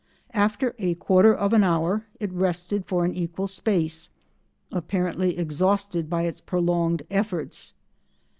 After a quarter of an hour it rested for an equal space, apparently exhausted by its prolonged efforts.